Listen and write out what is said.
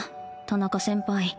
田中先輩